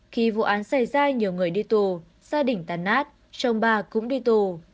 khi vụ án xảy ra nhiều người đi tù gia đình tàn nát chồng bà cũng đi tù